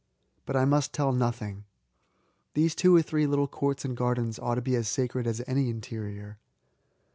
But I must tell nothing. These two or three little courts and gardens ought to be as sacred as any interior.